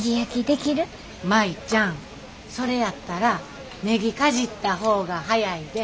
舞ちゃんそれやったらネギかじった方が早いで。